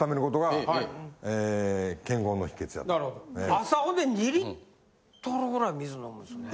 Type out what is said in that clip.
朝ほんで２リットルぐらい水飲むんですね。